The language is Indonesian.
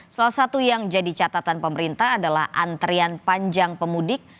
salah satu yang jadi catatan pemerintah adalah antrian panjang pemudik